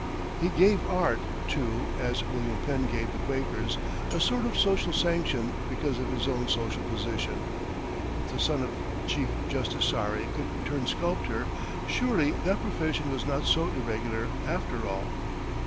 He gave art, too as William Penn gave the Quakers a sort of social sanction because of his own social position. If the son of Chief Justice Story could turn sculptor, surely that profession was not so irregular, after all!